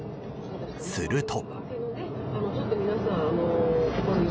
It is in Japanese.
すると。